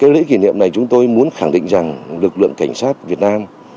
lễ kỷ niệm này chúng tôi muốn khẳng định rằng lực lượng cảnh sát việt nam